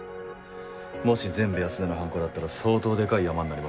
もし全部安田の犯行だったら相当デカいヤマになりますよ。